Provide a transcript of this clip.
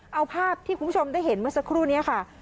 เอาภาพที่คุณผู้ชมได้เห็นเมื่อสักครู่นี้ค่ะ